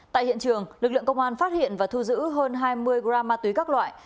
tại hiện trường lực lượng công an phát hiện và thu giữ hơn hai mươi gram ma túy các loại